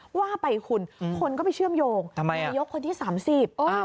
ว่าไปคุณคนก็ไปเชื่อมโยงทำไมนายกคนที่สามสิบเออ